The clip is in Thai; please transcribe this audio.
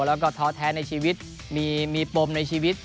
แล้วก็ท้อแท้ในชีวิตมีปมในชีวิต